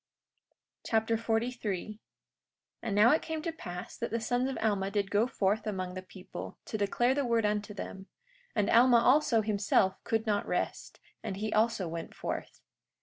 Alma Chapter 43 43:1 And now it came to pass that the sons of Alma did go forth among the people, to declare the word unto them. And Alma, also, himself, could not rest, and he also went forth.